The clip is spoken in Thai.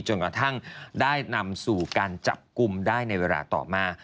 จนกระทั่งได้นำสู่การจับกลุ่มได้ในเวลาต่อมา